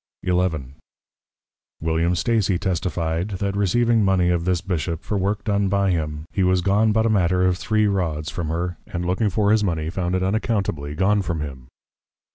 XI. William Stacy testify'd, That receiving Mony of this Bishop, for work done by him; he was gone but a matter of three Rods from her, and looking for his Mony, found it unaccountably gone from him.